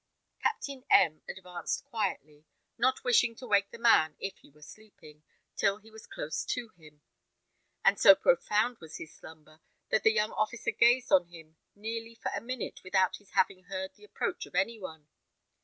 Captain M advanced quietly, not wishing to wake the man if he were sleeping, till he was close to him; and so profound was his slumber, that the young officer gazed on him nearly for a minute without his having heard the approach of any one.